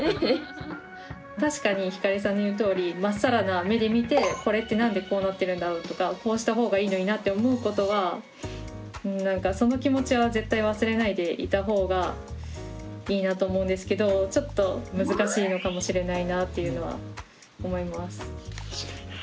確かにひかりさんの言うとおりまっさらな目で見てこれって何でこうなってるんだろうとかこうしたほうがいいのになって思うことはその気持ちは絶対忘れないでいたほうがいいなと思うんですけどちょっと難しいのかもしれないなっていうのは思います。